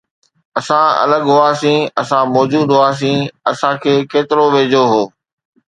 اسان الڳ هئاسين، اسان موجود هئاسين، اسان کي ڪيترو ويجهو هو